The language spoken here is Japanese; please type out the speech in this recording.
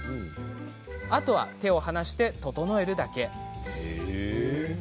あとは手を離して整えるだけ。